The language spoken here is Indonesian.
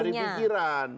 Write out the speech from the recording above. jangan pindah dari pikiran